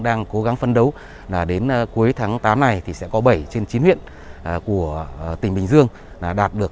đang cố gắng phân đấu là đến cuối tháng tám này thì sẽ có bảy trên chín huyện của tỉnh bình dương đạt được